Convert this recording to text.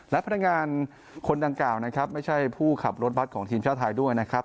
และพนักงานคนดังกล่าวนะครับไม่ใช่ผู้ขับรถบัตรของทีมชาติไทยด้วยนะครับ